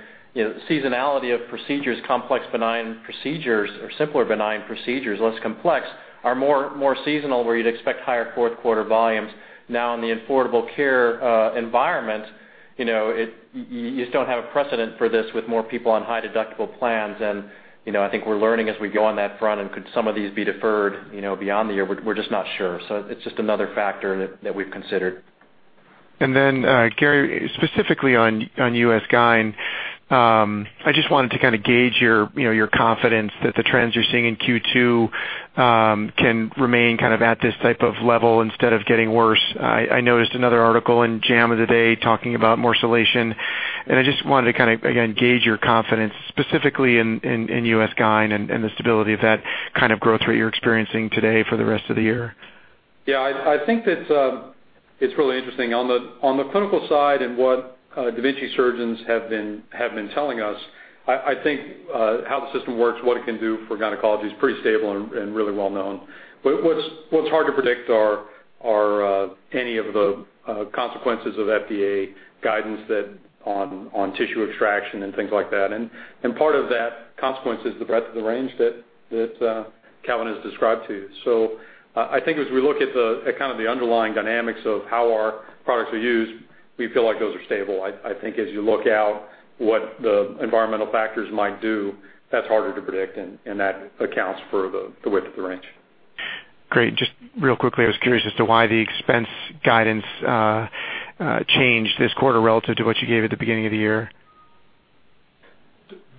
seasonality of procedures, complex benign procedures or simpler benign procedures, less complex, are more seasonal where you'd expect higher fourth quarter volumes. Now, in the affordable care environment, you just don't have a precedent for this with more people on high deductible plans, and I think we're learning as we go on that front and could some of these be deferred beyond the year? We're just not sure. It's just another factor that we've considered. Gary, specifically on U.S. GYN, I just wanted to kind of gauge your confidence that the trends you're seeing in Q2 can remain kind of at this type of level instead of getting worse. I noticed another article in JAMA talking about morcellation. I just wanted to kind of, again, gauge your confidence specifically in U.S. GYN and the stability of that kind of growth rate you're experiencing today for the rest of the year. Yeah, I think that it's really interesting. On the clinical side and what da Vinci surgeons have been telling us, I think how the system works, what it can do for gynecology is pretty stable and really well-known. What's hard to predict are any of the consequences of FDA guidance on tissue extraction and things like that. Part of that consequence is the breadth of the range that Calvin has described to you. I think as we look at kind of the underlying dynamics of how our products are used, we feel like those are stable. I think as you look out what the environmental factors might do, that's harder to predict, and that accounts for the width of the range. Great. Just real quickly, I was curious as to why the expense guidance changed this quarter relative to what you gave at the beginning of the year.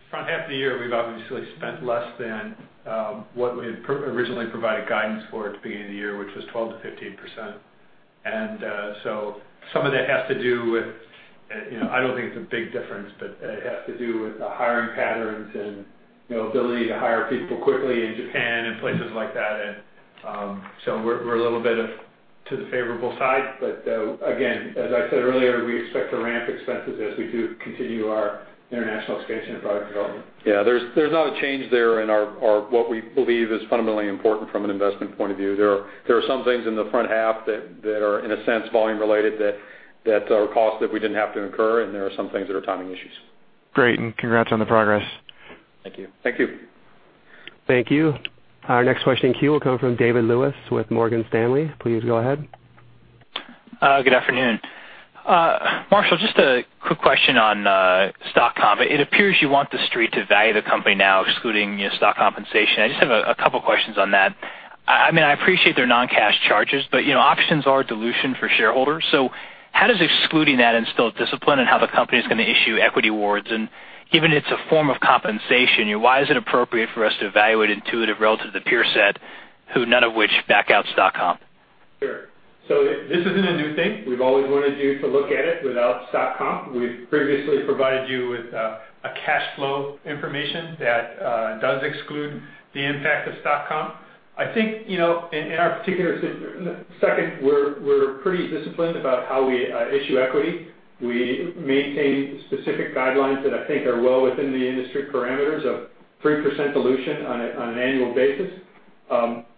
Front half of the year, we've obviously spent less than what we had originally provided guidance for at the beginning of the year, which was 12%-15%. Some of that has to do with, I don't think it's a big difference, but it has to do with the hiring patterns and ability to hire people quickly in Japan and places like that. We're a little bit to the favorable side. Again, as I said earlier, we expect to ramp expenses as we do continue our international expansion and product development. Yeah, there's not a change there in what we believe is fundamentally important from an investment point of view. There are some things in the front half that are, in a sense, volume related, that are costs that we didn't have to incur, and there are some things that are timing issues. Great, congrats on the progress. Thank you. Thank you. Thank you. Our next question in queue will come from David Lewis with Morgan Stanley. Please go ahead. Good afternoon. Marshall, just a quick question on stock comp. It appears you want the street to value the company now, excluding stock compensation. I just have a couple questions on that. I appreciate their non-cash charges, but options are dilution for shareholders. How does excluding that instill discipline in how the company is going to issue equity awards? Given it's a form of compensation, why is it appropriate for us to evaluate Intuitive relative to peer set who none of which back out stock comp? Sure. This isn't a new thing. We've always wanted you to look at it without stock comp. We've previously provided you with cash flow information that does exclude the impact of stock comp. In our particular second, we're pretty disciplined about how we issue equity. We maintain specific guidelines that are well within the industry parameters of 3% dilution on an annual basis.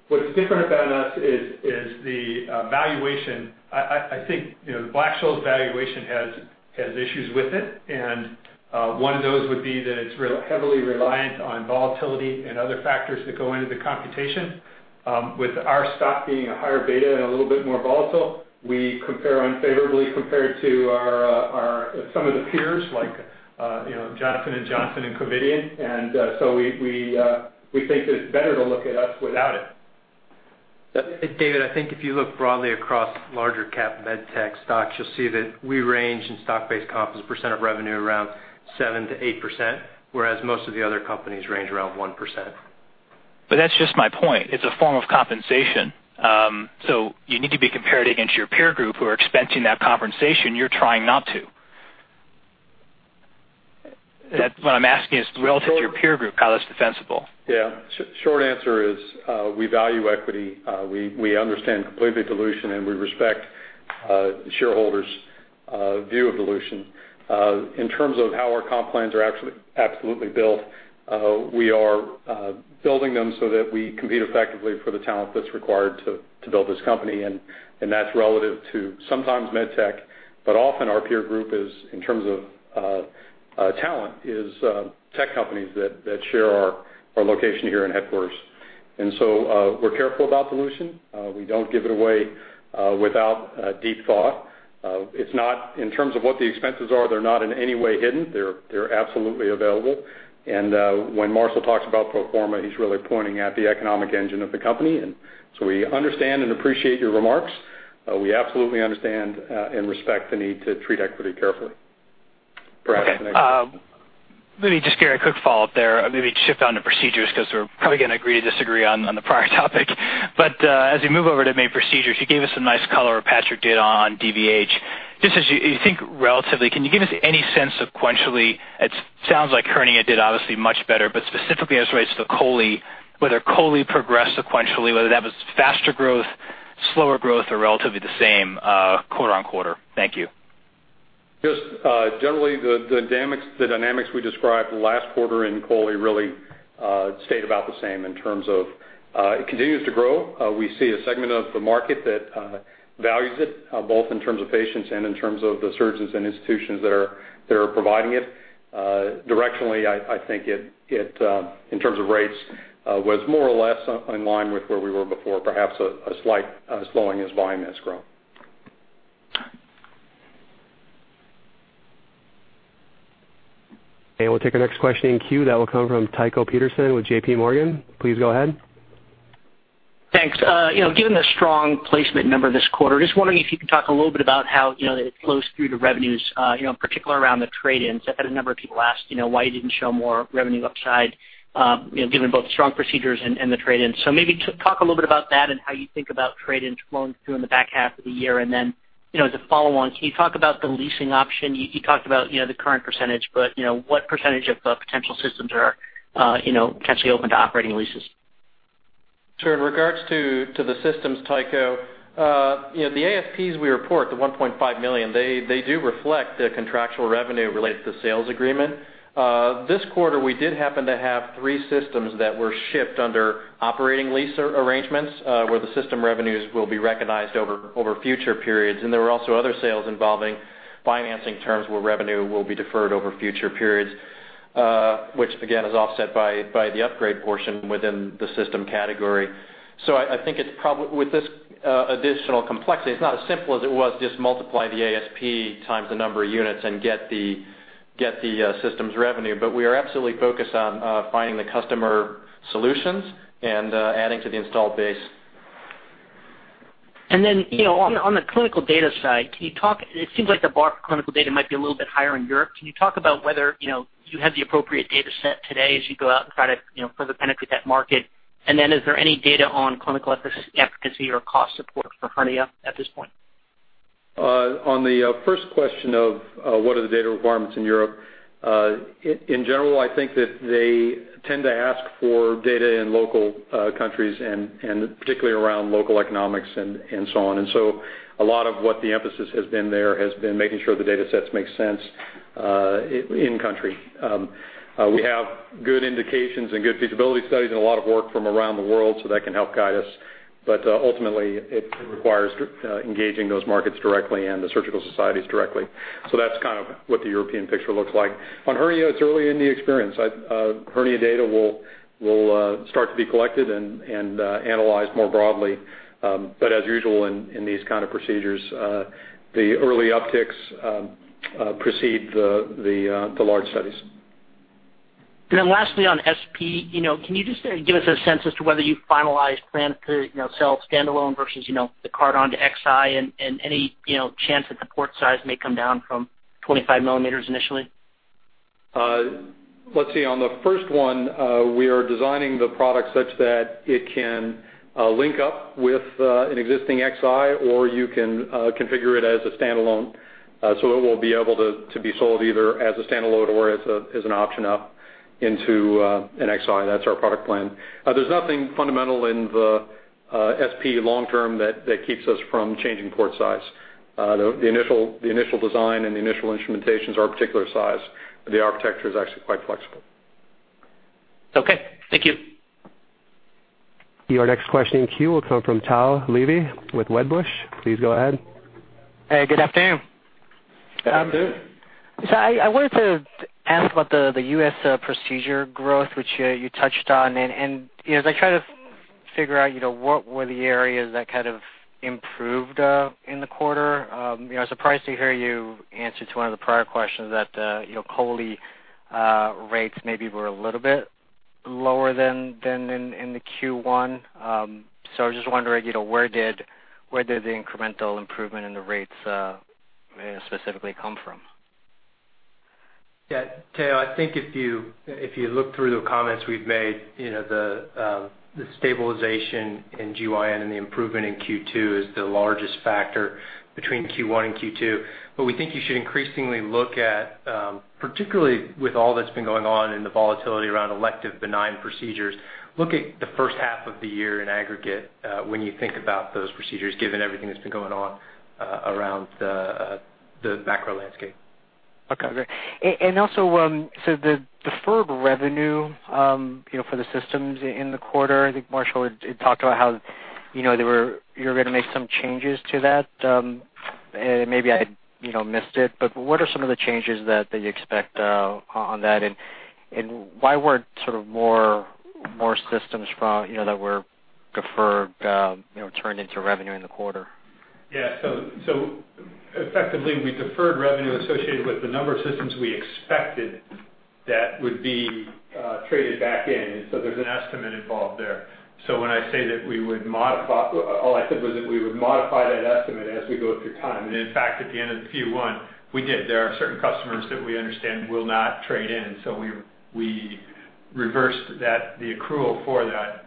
What's different about us is the valuation. The Black-Scholes valuation has issues with it, and one of those would be that it's heavily reliant on volatility and other factors that go into the computation. With our stock being a higher beta and a little bit more volatile, we compare unfavorably compared to some of the peers like Johnson & Johnson and Covidien. We think that it's better to look at us without it. David, if you look broadly across larger cap med tech stocks, you'll see that we range in stock-based comp as a percent of revenue around 7% to 8%, whereas most of the other companies range around 1%. That's just my point. It's a form of compensation. You need to be compared against your peer group who are expensing that compensation. You're trying not to. What I'm asking is relative to your peer group, how that's defensible? Short answer is we value equity. We understand completely dilution, and we respect shareholders' view of dilution. In terms of how our comp plans are absolutely built, we are building them so that we compete effectively for the talent that's required to build this company, and that's relative to sometimes med tech, but often our peer group is, in terms of talent, is tech companies that share our location here in headquarters. We're careful about dilution. We don't give it away without deep thought. In terms of what the expenses are, they're not in any way hidden. They're absolutely available. When Marshall talks about pro forma, he's really pointing at the economic engine of the company. We understand and appreciate your remarks. We absolutely understand and respect the need to treat equity carefully. Brad, the next one. Okay. Maybe just Gary, a quick follow-up there. Maybe shift onto procedures because we're probably going to agree to disagree on the prior topic. As we move over to main procedures, you gave us a nice color, or Patrick did, on dVH. Just as you think relatively, can you give us any sense sequentially? It sounds like hernia did obviously much better, but specifically as it relates to cholecystectomy, whether cholecystectomy progressed sequentially, whether that was faster growth, slower growth, or relatively the same quarter-on-quarter. Thank you. Just generally, the dynamics we described last quarter in cholecystectomy really stayed about the same in terms of it continues to grow. We see a segment of the market that values it, both in terms of patients and in terms of the surgeons and institutions that are providing it. Directionally, I think it, in terms of rates, was more or less in line with where we were before, perhaps a slight slowing as volume has grown. We'll take our next question in queue. That will come from Tycho Peterson with JPMorgan. Please go ahead. Thanks. Given the strong placement number this quarter, just wondering if you could talk a little bit about how it flows through to revenues, in particular around the trade-ins. I've had a number of people ask why you didn't show more revenue upside given both strong procedures and the trade-ins. Maybe talk a little bit about that and how you think about trade-ins flowing through in the back half of the year. Then as a follow-on, can you talk about the leasing option? You talked about the current %, but what % of potential systems are-? potentially open to operating leases. In regards to the systems, Tycho, the ASPs we report, the $1.5 million, they do reflect the contractual revenue related to the sales agreement. This quarter, we did happen to have three systems that were shipped under operating lease arrangements, where the system revenues will be recognized over future periods. There were also other sales involving financing terms where revenue will be deferred over future periods, which again, is offset by the upgrade portion within the system category. I think with this additional complexity, it's not as simple as it was, just multiply the ASP times the number of units and get the systems revenue. We are absolutely focused on finding the customer solutions and adding to the installed base. On the clinical data side, it seems like the bar for clinical data might be a little bit higher in Europe. Can you talk about whether you have the appropriate data set today as you go out and try to further penetrate that market? Is there any data on clinical efficacy or cost support for hernia at this point? On the first question of what are the data requirements in Europe, in general, I think that they tend to ask for data in local countries and particularly around local economics and so on. A lot of what the emphasis has been there has been making sure the data sets make sense in country. We have good indications and good feasibility studies and a lot of work from around the world, so that can help guide us. Ultimately, it requires engaging those markets directly and the surgical societies directly. That's kind of what the European picture looks like. On hernia, it's early in the experience. Hernia data will start to be collected and analyzed more broadly. As usual, in these kind of procedures, the early upticks precede the large studies. Lastly, on SP, can you just give us a sense as to whether you've finalized plans to sell standalone versus the card onto Xi and any chance that the port size may come down from 25 millimeters initially? Let's see. On the first one, we are designing the product such that it can link up with an existing Xi, or you can configure it as a standalone. It will be able to be sold either as a standalone or as an option up into an Xi. That's our product plan. There's nothing fundamental in the SP long term that keeps us from changing port size. The initial design and the initial instrumentations are a particular size, but the architecture is actually quite flexible. Okay. Thank you. Your next question in queue will come from Tao Levy with Wedbush. Please go ahead. Hey, good afternoon. Good afternoon. I wanted to ask about the U.S. procedure growth, which you touched on. As I try to figure what were the areas that kind of improved in the quarter, I was surprised to hear you answer to one of the prior questions that COE rates maybe were a little bit lower than in the Q1. I was just wondering where did the incremental improvement in the rates specifically come from? Yeah. Tao, I think if you look through the comments we've made, the stabilization in GYN and the improvement in Q2 is the largest factor between Q1 and Q2. We think you should increasingly look at, particularly with all that's been going on and the volatility around elective benign procedures, look at the first half of the year in aggregate when you think about those procedures, given everything that's been going on around the macro landscape. Okay, great. The deferred revenue for the systems in the quarter, I think Marshall had talked about how you were going to make some changes to that. Maybe I missed it, but what are some of the changes that you expect on that, and why weren't sort of more systems that were deferred turned into revenue in the quarter? Yeah. Effectively, we deferred revenue associated with the number of systems we expected that would be traded back in. There's an estimate involved there. When I say that we would modify, all I said was that we would modify that estimate as we go through time. In fact, at the end of Q1, we did. There are certain customers that we understand will not trade in. We reversed the accrual for that.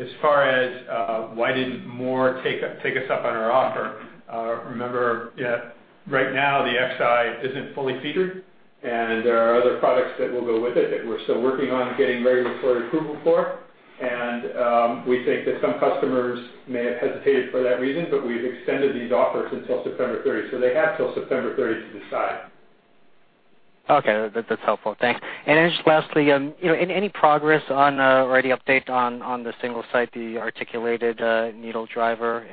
As far as why didn't more take us up on our offer, remember, right now the Xi isn't fully featured, and there are other products that will go with it that we're still working on getting regulatory approval for. We think that some customers may have hesitated for that reason, but we've extended these offers until September 30th. They have till September 30th to decide. Okay. That's helpful. Thanks. Just lastly, any progress or any update on the single-site, the articulated needle driver,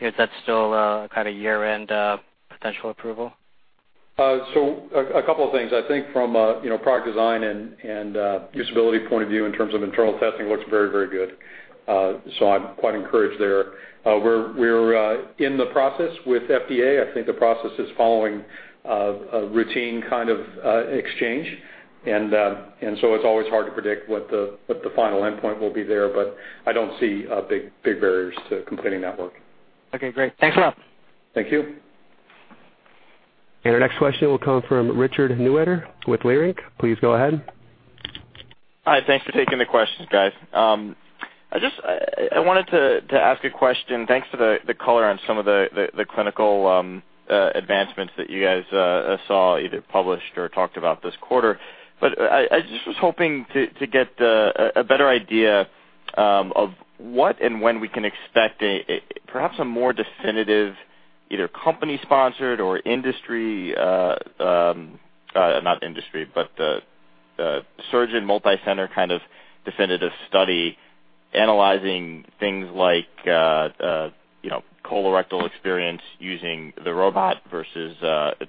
is that still kind of year-end potential approval? A couple of things. I think from a product design and usability point of view in terms of internal testing, looks very, very good. I'm quite encouraged there. We're in the process with FDA. I think the process is following a routine kind of exchange, it's always hard to predict what the final endpoint will be there, I don't see big barriers to completing that work. Okay, great. Thanks a lot. Thank you. Our next question will come from Richard Newitter with Leerink. Please go ahead. Hi. Thanks for taking the questions, guys. I wanted to ask a question. Thanks for the color on some of the clinical advancements that you guys saw either published or talked about this quarter. I just was hoping to get a better idea of what and when we can expect perhaps a more definitive, either company-sponsored or surgeon multi-center kind of definitive study analyzing things like colorectal experience using the robot versus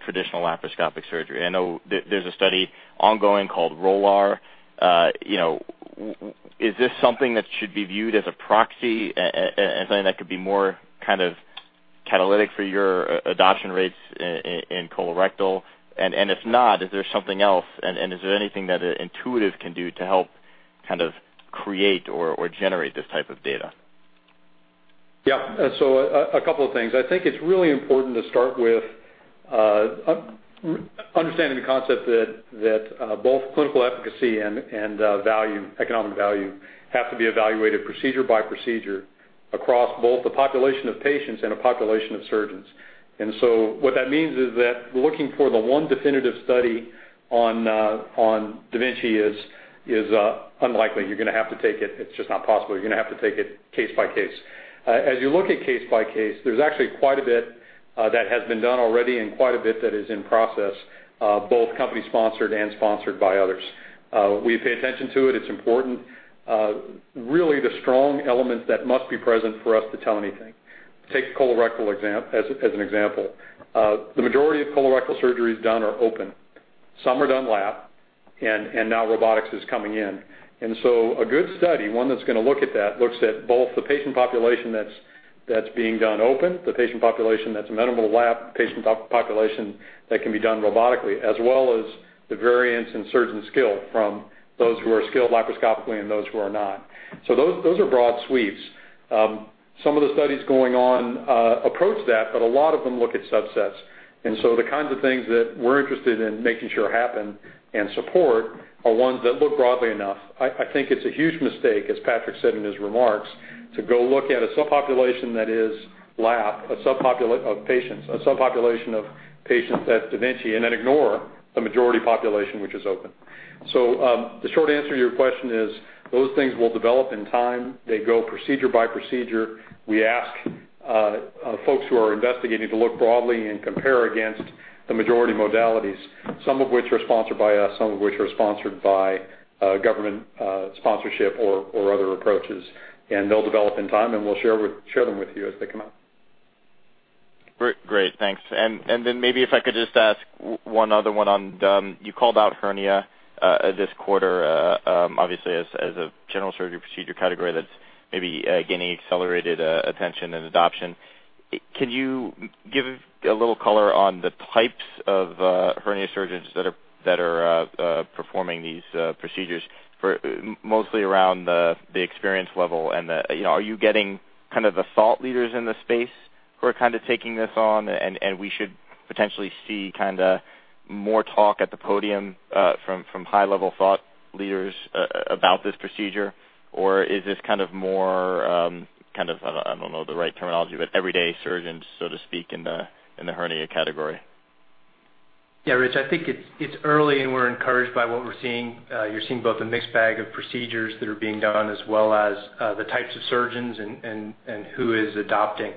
traditional laparoscopic surgery. I know there's a study ongoing called ROLARR. Is this something that should be viewed as a proxy and something that could be more kind of catalytic for your adoption rates in colorectal? If not, is there something else? Is there anything that Intuitive can do to help create or generate this type of data? A couple of things. I think it's really important to start with understanding the concept that both clinical efficacy and economic value have to be evaluated procedure by procedure across both the population of patients and a population of surgeons. What that means is that looking for the one definitive study on da Vinci is unlikely. It's just not possible. You're going to have to take it case by case. As you look at case by case, there's actually quite a bit that has been done already and quite a bit that is in process, both company-sponsored and sponsored by others. We pay attention to it. It's important. Really, the strong elements that must be present for us to tell anything. Take colorectal as an example. The majority of colorectal surgeries done are open. Some are done lap, and now robotics is coming in. A good study, one that's going to look at that, looks at both the patient population that's being done open, the patient population that's minimal lap, patient population that can be done robotically, as well as the variance in surgeon skill from those who are skilled laparoscopically and those who are not. Those are broad sweeps. Some of the studies going on approach that, but a lot of them look at subsets. The kinds of things that we're interested in making sure happen and support are ones that look broadly enough. I think it's a huge mistake, as Patrick said in his remarks, to go look at a subpopulation of patients that's da Vinci and then ignore the majority population, which is open. The short answer to your question is, those things will develop in time. They go procedure by procedure. We ask folks who are investigating to look broadly and compare against the majority modalities, some of which are sponsored by us, some of which are sponsored by government sponsorship or other approaches. They'll develop in time, and we'll share them with you as they come out. Great. Thanks. Then maybe if I could just ask one other one on-- You called out hernia this quarter, obviously, as a general surgery procedure category that's maybe gaining accelerated attention and adoption. Can you give a little color on the types of hernia surgeons that are performing these procedures, mostly around the experience level and the, are you getting the thought leaders in the space who are taking this on? And we should potentially see more talk at the podium from high-level thought leaders about this procedure? Or is this more, I don't know the right terminology, but everyday surgeons, so to speak, in the hernia category? Rich, I think it's early, and we're encouraged by what we're seeing. You're seeing both a mixed bag of procedures that are being done, as well as the types of surgeons and who is adopting.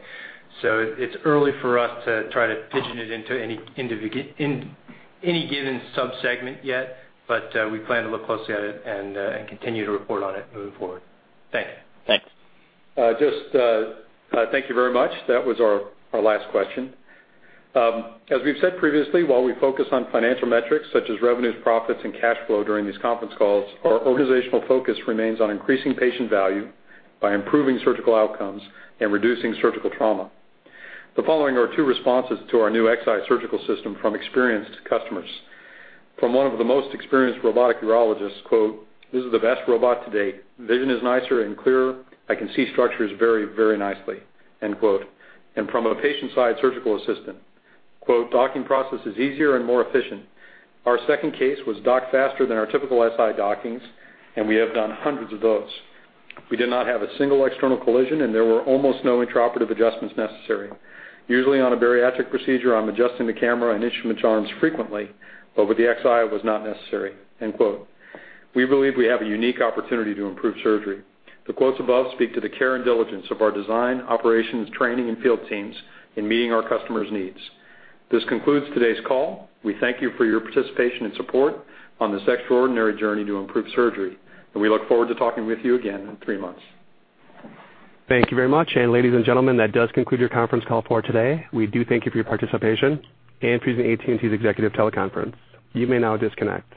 It's early for us to try to pigeon it into any given subsegment yet, but we plan to look closely at it and continue to report on it moving forward. Thanks. Thanks. Thank you very much. That was our last question. As we've said previously, while we focus on financial metrics such as revenues, profits, and cash flow during these conference calls, our organizational focus remains on increasing patient value by improving surgical outcomes and reducing surgical trauma. The following are two responses to our new Xi Surgical System from experienced customers. From one of the most experienced robotic urologists, quote, "This is the best robot to date. Vision is nicer and clearer. I can see structures very, very nicely." End quote. From a patient-side surgical assistant, quote, "Docking process is easier and more efficient. Our second case was docked faster than our typical Si dockings, and we have done hundreds of those. We did not have a single external collision, and there were almost no intraoperative adjustments necessary. Usually, on a bariatric procedure, I'm adjusting the camera and instruments arms frequently, but with the Xi, it was not necessary." End quote. We believe we have a unique opportunity to improve surgery. The quotes above speak to the care and diligence of our design, operations, training, and field teams in meeting our customers' needs. This concludes today's call. We thank you for your participation and support on this extraordinary journey to improve surgery, and we look forward to talking with you again in three months. Thank you very much. Ladies and gentlemen, that does conclude your conference call for today. We do thank you for your participation. For using AT&T's Executive Teleconference. You may now disconnect.